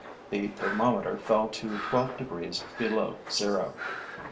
The thermometer fell to twelve degrees below zero.